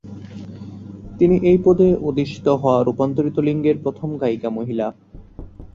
তিনি এই পদে অধিষ্ঠিত হওয়া রূপান্তরিত লিঙ্গের প্ৰথম গায়িকা মহিলা।